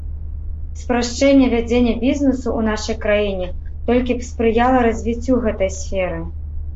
Спрашчэнне вядзення бізнэсу ў нашай краіне толькі б спрыяла развіццю гэтай сферы.